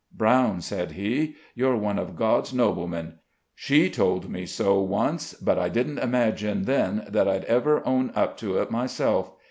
"Brown," said he, "you're one of God's noblemen; she told me so once, but I didn't imagine then that I'd ever own up to it myself.